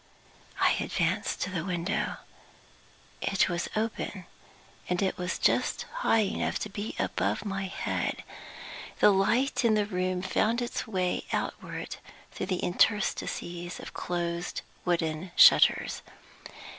I advanced to the window. It was open, and it was just high enough to be above my head. The light in the room found its way outward through the interstices of closed wooden shutters.